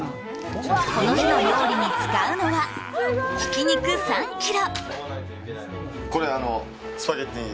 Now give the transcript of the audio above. この日の料理に使うのはひき肉３ｋｇ。